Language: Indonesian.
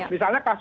misalnya kasus ini